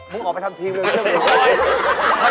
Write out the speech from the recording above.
มึงออกไปทำทีมเรื่องเชื่อมือ